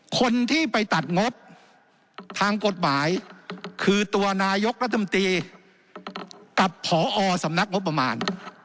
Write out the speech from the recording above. คนที่ไปตัดงบทางกฎหมายคือตัวนายกรัฐมนตรีกับผอสำนักงบประมาณ